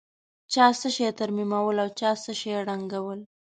چا څه شي ترمیمول او چا څه شي ړنګول.